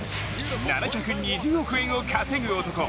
７２０億円を稼ぐ男